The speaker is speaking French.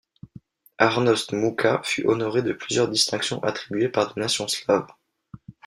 Arnošt Muka fut honoré de plusieurs dictinctions attribuées par des nations slaves.